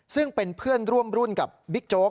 ซึ่งเป็นเพื่อนร่วมรุ่นกับบิ๊กโจ๊ก